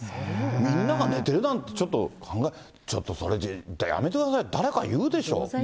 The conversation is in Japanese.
みんなが寝てるなんてちょっと考え、ちょっとそれ、やめてくださいって、誰か言うでしょ。